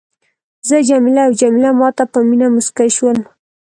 زه جميله او جميله ما ته په مینه مسکي شول.